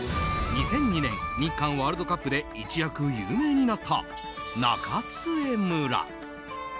２００２年日韓ワールドカップで一躍有名になった中津江村。